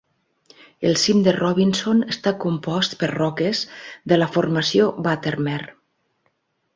El cim de Robinson està compost per roques de la formació Buttermere.